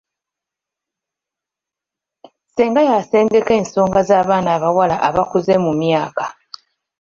Ssenga y'asengeka ensonga z'abaana abawala abakuze mu myaka.